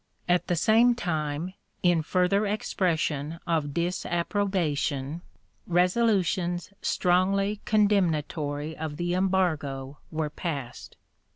At the same time, in further expression of disapprobation, resolutions strongly condemnatory of the embargo were passed.